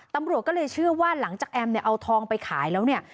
ตำรวจก็เลยเชื่อว่าหลังจากแอมเนี่ยเอาทองไปขายแล้วเนี่ย